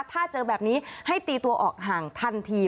ถ้าเจอแบบนี้ให้ตีตัวออกห่างทันที